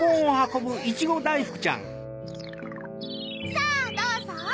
さぁどうぞ！